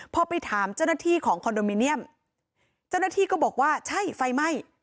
พอไปถามเจ้าหน้าที่ของคอนโดมิเนียมเจ้าหน้าที่ก็บอกว่าใช่ไฟไหม้